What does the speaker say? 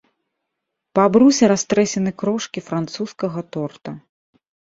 Па абрусе растрэсены крошкі французскага торта.